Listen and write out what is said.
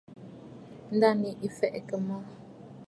Ǹdânwì ɨ̀ fɛ̀ʼɛ̀kə̀ mə̂.